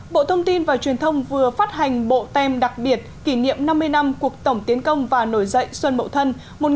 bộ thông tin và truyền thông vừa phát hành bộ tem đặc biệt kỷ niệm năm mươi năm cuộc tổng tiến công và nổi dậy xuân bậu thân một nghìn chín trăm sáu mươi tám hai nghìn một mươi tám